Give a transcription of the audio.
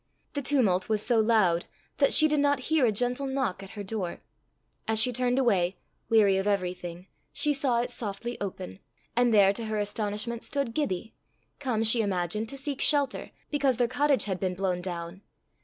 The tumult was so loud, that she did not hear a gentle knock at her door: as she turned away, weary of everything, she saw it softly open and there to her astonishment stood Gibbie come, she imagined, to seek shelter, because their cottage had been blown down.